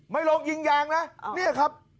ไม่ลงยิงยางนะเนี่ยครับ